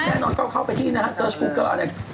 แน่นอนเขาเข้าไปที่เซิร์ชกูเกอร์